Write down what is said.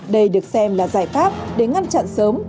đây được xem là giải pháp để ngăn chặn sớm